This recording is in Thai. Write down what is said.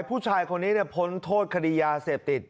ผู้ชายคนนี้พ้นโทษคดียาเสพติด